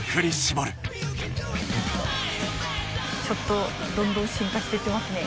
ちょっとどんどん進化していってますね。